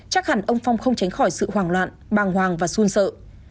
chắc hẳn ông phong không tránh khỏi sự hoảng loạn bàng hoàng và xuân sợ